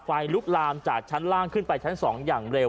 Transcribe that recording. ไฟลุกลามจากชั้นล่างขึ้นไปชั้น๒อย่างเร็ว